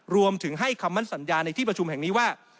รวมถึงให้คำมั่นสัญญาในที่ประชุมแห่งนี้ว่า